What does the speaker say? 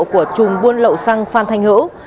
của trùng buôn lộn xăng phan thanh hữu